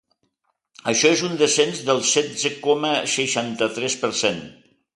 Això és un descens del setze coma seixanta-tres per cent.